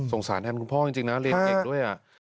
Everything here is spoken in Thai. สารแทนคุณพ่อจริงนะเรียนเก่งด้วย